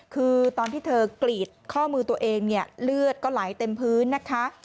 คือตอนที่เธอกรีดข้อมือตัวเองเนี่ยเลือดก็ไหลเต็มพื้นนะคะ